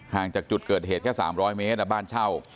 จากจุดเกิดเหตุแค่๓๐๐เมตรบ้านเช่า